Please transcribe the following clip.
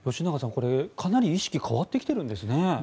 これ、かなり意識が変わってきているんですね。